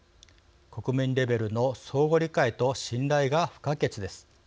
国民レベルの相互理解と信頼が不可欠です。